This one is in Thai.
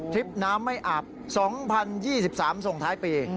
คลิปน้ำไม่อาบ๒๐๒๓ส่งท้ายปี